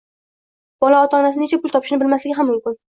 bola ota-onasi necha pul topishini bilmasligi ham mumkin.